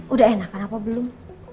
udah enakan apa belum